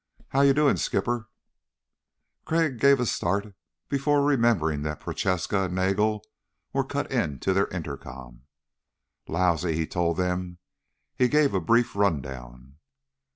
"How you doing, Skipper?" Crag gave a start before remembering that Prochaska and Nagel were cut into their intercom. "Lousy," he told them. He gave a brief run down.